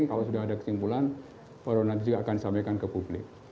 kalau sudah ada kesimpulan baru nanti juga akan disampaikan ke publik